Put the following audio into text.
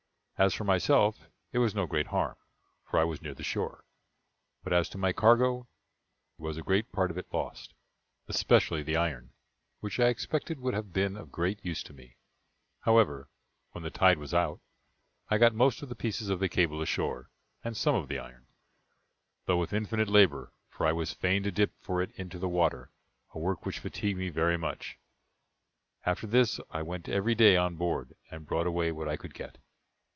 As for myself, it was no great harm, for I was near the shore; but as to my cargo, it was a great part of it lost, especially the iron, which I expected would have been of great use to me; however, when the tide was out, I got most of the pieces of the cable ashore, and some of the iron, though with infinite labor; for I was fain to dip for it into the water, a work which fatigued me very much. After this, I went every day on board, and brought away what I could get.